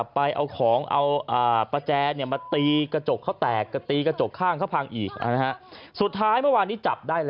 แบบนั้นไม่ได้